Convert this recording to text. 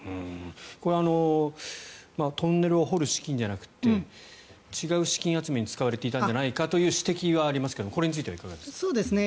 これトンネルを掘る資金じゃなくて違う資金集めに使われていたんじゃないかという指摘がありますがこれについてはいかがでしょうか。